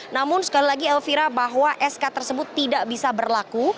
namun sekali lagi elvira bahwa sk tersebut tidak bisa berlaku